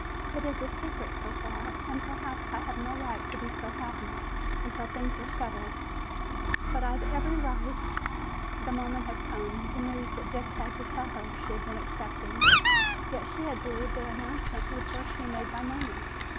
"It is a secret so far and perhaps I have no right to be so happy until things are settled. But I've every right " The moment had come! The news that Dick had to tell her she had been expecting. Yet she had believed the announcement would first be made by Nona.